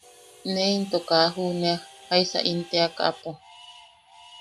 Ne into kaa juʼunea jaisa in teakaʼapo.